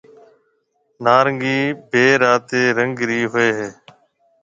نارنگِي بي راتيَ رنگ رِي هوئي هيَ۔